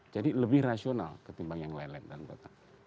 jadi lebih rasional ketimbang yang lain lain